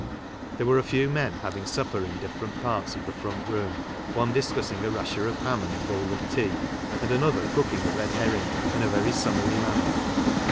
There were a few men having supper in different parts of the front room, one discussing a rasher of ham and a bowl of tea and another cooking a red herring in a very sum mary manner.